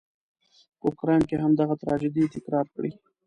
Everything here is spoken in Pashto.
په اوکراین کې همدغه تراژيدي تکرار کړي.